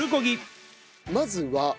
まずは？